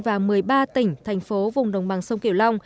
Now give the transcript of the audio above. và một mươi ba tỉnh thành phố vùng đồng bằng sông kiểu long